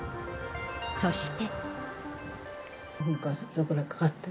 そして。